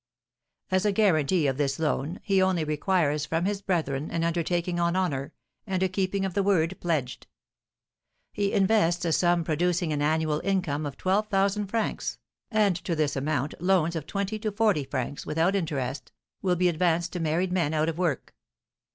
As a guarantee of this loan he only requires from his brethren an undertaking on honour, and a keeping of the word pledged. He invests a sum producing an annual income of twelve thousand francs, and to this amount loans of twenty to forty francs, without interest, will be advanced to married men out of work.